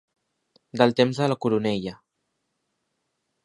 Del temps de la coronella.